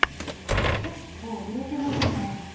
結構売れてますね。